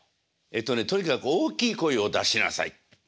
えっとねとにかく大きい声を出しなさい。